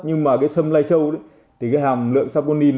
nhưng mà cái sâm lai châu thì cái hàm lượng saponin